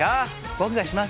僕がします！